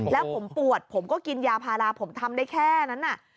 แล้วผมปวดผมก็กินยาพาราผมทำได้แค่นั้น